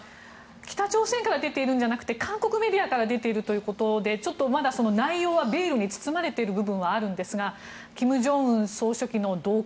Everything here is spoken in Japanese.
北朝鮮から出ているんじゃなくて韓国メディアから出ているということでちょっとまだ内容はベールに包まれている部分はあるんですが金正恩総書記の動向